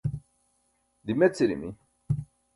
dimecirimi